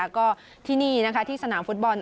ก็ที่นี่ที่สนามฟุตบอล